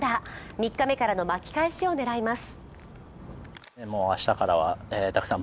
３日目からの巻き返しを狙います。